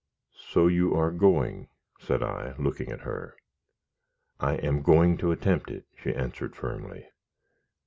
"So you are going," said I, looking at her. "I am going to attempt it," she answered, firmly.